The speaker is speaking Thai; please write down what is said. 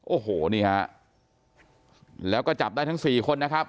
โอ้โหนี่ฮะแล้วก็จับได้ทั้งสี่คนนะครับ